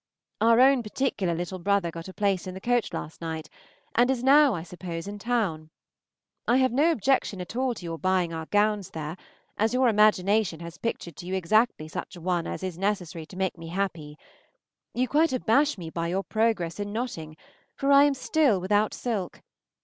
Our own particular little brother got a place in the coach last night, and is now, I suppose, in town. I have no objection at all to your buying our gowns there, as your imagination has pictured to you exactly such a one as is necessary to make me happy. You quite abash me by your progress in notting, for I am still without silk.